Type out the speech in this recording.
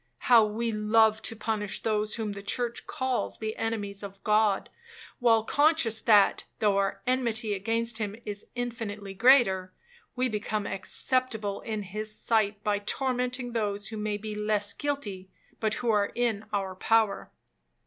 How we love to punish those whom the church calls the enemies of God, while conscious that, though our enmity against him is infinitely greater, we become acceptable in his sight by tormenting those who may be less guilty, but who are in our power!